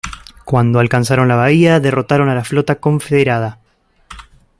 Cuando alcanzaron la bahía, derrotaron a la flota confederada.